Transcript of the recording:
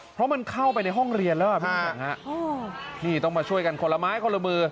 เพราะมันเข้าไปในห้องเรียนแล้วนี่ต้องมาช่วยกันคนละไม้คนละมือ